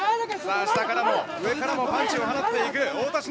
下からも上からもパンチを放っていく太田忍。